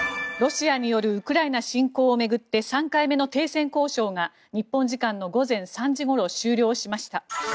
ロシアによるウクライナ侵攻を巡って３回目の停戦交渉が日本時間の午前３時ごろ終了しました。